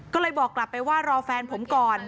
ก็เลยบอกกลับไปว่ารอแฟนผมก่อน